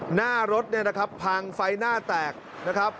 หน้ารถเนี่ยนะครับพังไฟหน้าแตกนะครับ